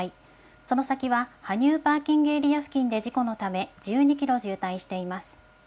その先は羽生パーキングエリア付近で事故のため、１２キロ渋滞しています。